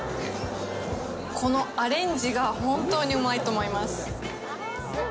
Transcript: このアレンジが本当にうまいと思います。